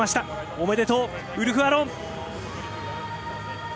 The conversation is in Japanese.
おめでとう、ウルフ・アロン！